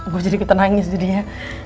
gue jadi ketenangin sejadinya